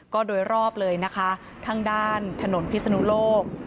ก็โดยรอบเลยนะคะทั้งด้านถนนพิศนุโลก